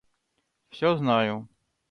Всё знаю.